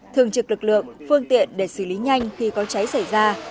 thường trực lực lượng phương tiện để xử lý nhanh khi có cháy xảy ra